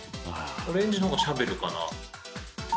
オレンジのがシャベルかな。